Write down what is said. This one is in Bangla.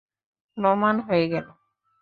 প্রমাণ হয়ে গেলো।